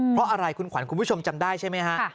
เพราะอะไรคุณขวัญคุณผู้ชมจำได้ใช่ไหมฮะ